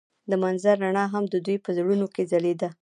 د منظر رڼا هم د دوی په زړونو کې ځلېده.